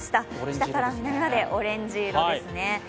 北から南までオレンジ色ですね。